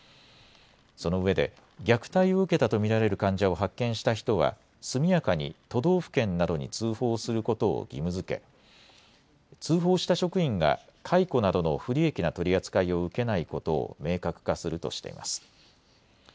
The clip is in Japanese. そのうえで虐待を受けたと見られる患者を発見した人は速やかに都道府県などに通報することを義務づけ通報した職員が解雇などの不利益な取り扱いを受けないことを明確化するとしています。